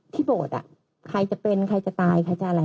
ที่โบทใครจะเป็นใครจะตาย